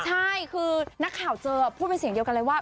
ใช่คือนักข่าวเจอพูดเป็นเสียงเดียวกันเลยว่า